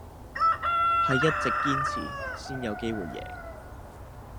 係一直堅持先有機會贏